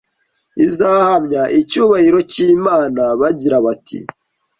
izahamya icyubahiro cy’Imana bagira bati